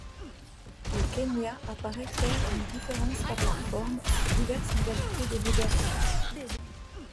Le quenya apparaît faire une différence par la forme entre diverses modalités de négation.